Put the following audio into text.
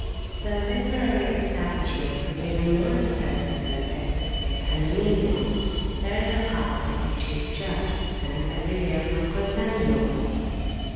The literary establishment is even more extensive than the executive and the menial. There is a Kazi, or chief judge, sent every year from Constantinople.